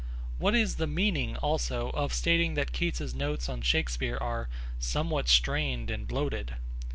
What is the meaning, also, of stating that Keats's Notes on Shakespeare are 'somewhat strained and bloated'?